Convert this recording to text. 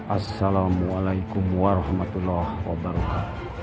assalamualaikum warahmatullahi wabarakatuh